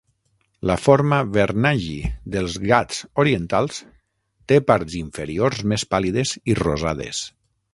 La forma "vernayi" dels Ghats Orientals té parts inferiors més pàl·lides i rosades.